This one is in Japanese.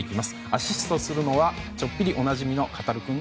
アシストするのは、ちょっぴりおなじみのカタルくん。